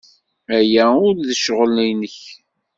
Aya ur d ccɣel-nnek.